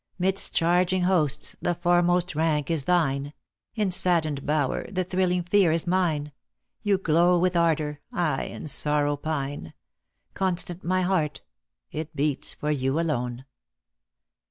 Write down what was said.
Midst charging hosts, the foremost rank is thine ; In saddened bower, the thrilling fear is mine ; You glow with ardor, I in sorrow pine ; Constant my heart ; it beats for you alone.